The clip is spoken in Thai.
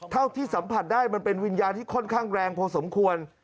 เท่าที่สัมผัสได้มันเป็นวิญญาณที่ค่อนข้างแรงพอสมควร